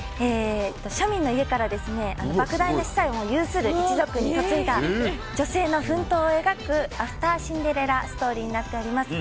庶民の家から莫大な資産を有する一族に嫁いだ女性の奮闘を描くアフターシンデレラストーリーになっております。